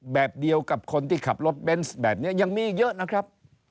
แบบเดียวกับคนที่ขับรถเบนส์แบบนี้ยังมีอีกเยอะนะครับ